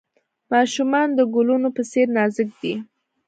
ماشومان د ګلونو په څیر نازک دي.